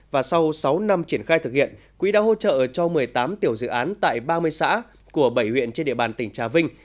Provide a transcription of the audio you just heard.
và sau sáu năm triển khai thực hiện quỹ đã hỗ trợ cho một mươi tám tiểu dự án tại ba mươi xã của bảy huyện trên địa bàn tỉnh trà vinh